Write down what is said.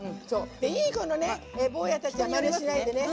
いい子のね坊やたちはまねしないでね。